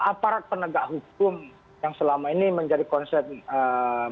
aparat penegak hukum yang selama ini menjadi konsep eee